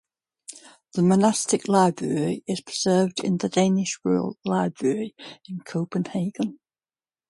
The monastic library is preserved in the "Danish Royal Library" in Copenhagen.